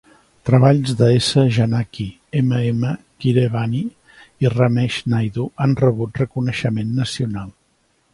Treballs de S. Janaki. M. M. Keeravani i Ramesh Naidu han rebut reconeixement nacional.